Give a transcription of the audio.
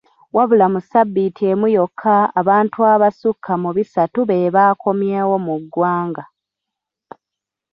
Wabula mu sabbiiti emu yokka, abantu abasukka mu bisatu bebaakomyewo mu ggwanga.